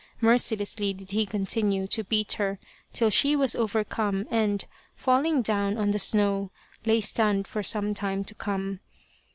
Mercilessly did he continue to beat her till she was overcome and, falling down on the snow, lay stunned for some time to come.